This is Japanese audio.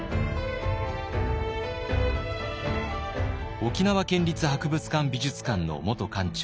沖縄県立博物館・美術館の元館長